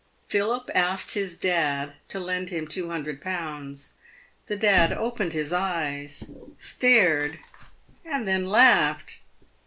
Philip asked his dad to lend him 200Z. The dad opened his eyes, stared, and then laughed.